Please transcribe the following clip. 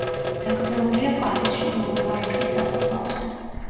დაკრძალულია პარიზში, მონმარტრის სასაფლაოზე.